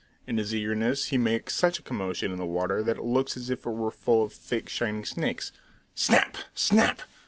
In his eagerness he makes such a commotion in the water that it looks as if it were full of thick, shining snakes. Snap! Snap!